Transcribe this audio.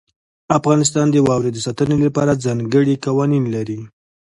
افغانستان د واورې د ساتنې لپاره ځانګړي قوانین لري.